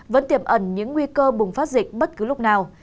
vẫn tiềm ẩn những nguy cơ bùng phát dịch bất cứ lúc nào